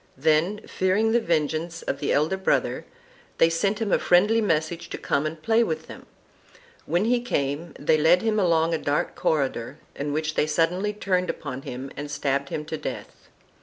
Then, fearing the vengeance of the elder brother, they sent him a friendly message to come and play with them; when he came they led him along a dark corridor in which they suddenly turned upon him and stabbed him to death.